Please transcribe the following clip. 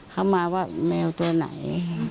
เขามาว่าแมวตัวไหน